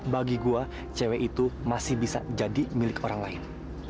bagi gue cewek itu masih bisa jadi milik orang lain